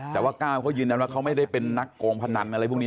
แต่ว่าก้าวเขายืนยันว่าเขาไม่ได้เป็นนักโกงพนันอะไรพวกนี้